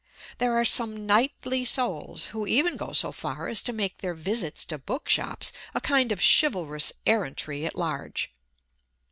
There are some knightly souls who even go so far as to make their visits to bookshops a kind of chivalrous errantry at large.